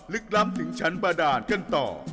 ล้ำถึงชั้นประดาษกันต่อ